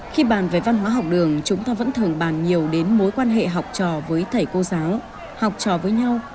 khi bàn về văn hóa học đường chúng ta vẫn thường bàn nhiều đến mối quan hệ học trò với thầy cô giáo học trò với nhau